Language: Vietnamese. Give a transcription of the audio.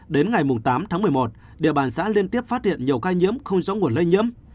đến ngày tám tháng một mươi một địa bàn xã liên tiếp phát hiện nhiều ca nhiễm không rõ nguồn lây nhiễm